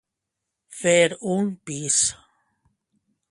Fer un pis.